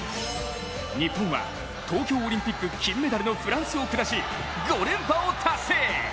日本は東京オリンピック金メダルのフランスを下し、５連覇を達成。